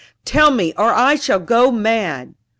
Tell me, or I shall go mad."